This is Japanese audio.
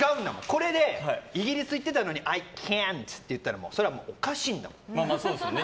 これでイギリス言っていたのにアイキャントって言ったらそれはもうおかしいって。